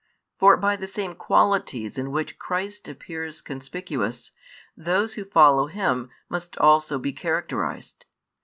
For by the same qualities in which Christ appeared conspicuous, those who follow Him must also be characterised.